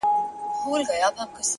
د حقیقت مینه حکمت زېږوي،